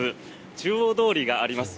中央通りがあります。